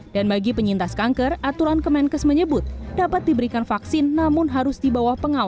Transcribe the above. bagi penyintas kanker aturan kemenkes menyebut dapat diberikan vaksin namun harus di bawah pengawasan